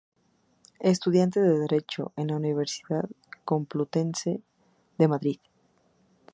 Estudiante de Derecho en la Universidad Complutense de Madrid.